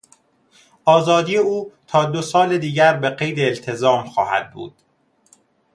آزادی او تا دو سال دیگر به قید التزام خواهد بود.